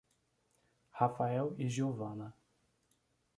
Rafael e Giovanna